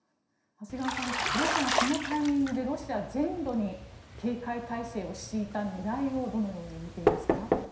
長谷川さん、ロシアがこのタイミングでロシア全土に警戒体制を敷いた狙いをどのように見ていますか？